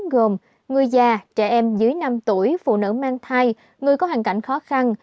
gồm người già trẻ em dưới năm tuổi phụ nữ mang thai người có hoàn cảnh khó khăn